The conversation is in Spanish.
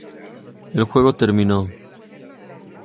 El juego terminó.